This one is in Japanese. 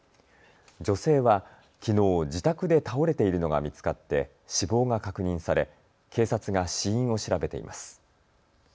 女性はきのう自宅で倒れているのが見つかって死亡が確認され警察が死因を調べています。